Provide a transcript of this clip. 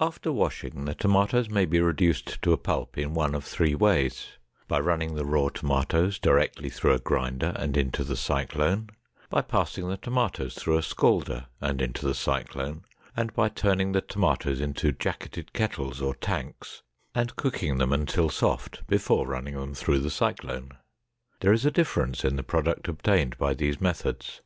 After washing, the tomatoes may be reduced to a pulp in one of three ways: by running the raw tomatoes directly through a grinder and into the cyclone; by passing the tomatoes through a scalder and into the cyclone; and by turning the tomatoes into jacketed kettles or tanks and cooking them until soft before running through the cyclone. There is a difference in the product obtained by these methods.